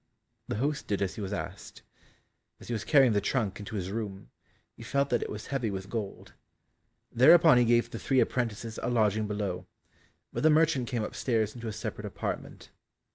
The host did as he was asked. As he was carrying the trunk into his room, he felt that it was heavy with gold. Thereupon he gave the three apprentices a lodging below, but the merchant came up stairs into a separate apartment.